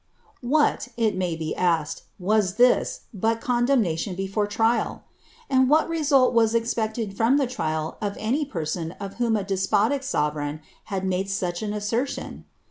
What, it may be asked, was this but condemnation before trial ? what result was lo be expected from the trial of any person of who despotic sovereign had made such au assertion